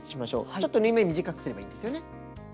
ちょっと縫い目を短くすればいいんですよね。